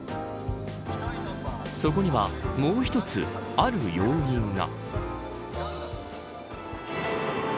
そこにはもう１つ、ある要因が。